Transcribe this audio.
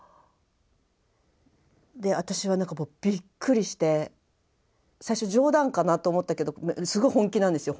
で私はびっくりして最初冗談かなと思ったけどすごい本気なんですよ